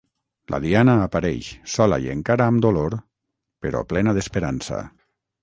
La Diana apareix, sola i encara amb dolor, però plena d’esperança.